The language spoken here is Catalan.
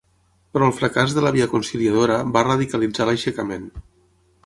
Però el fracàs de la via conciliadora va radicalitzar l'aixecament.